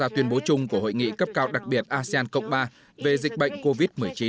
tuyên bố chung của hội nghị cấp cao đặc biệt asean cộng ba về dịch bệnh covid một mươi chín